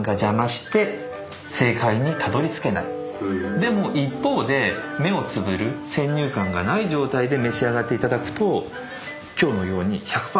でも一方で目をつぶる先入観がない状態で召し上がって頂くと今日のように１００％分かる。